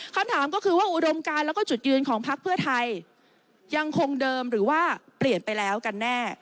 คำถามก็คือว่าอุดมการแล้วก็จุดยืนของพักเพื่อไทยยังคงเดิมหรือว่าเปลี่ยนไปแล้วกันแน่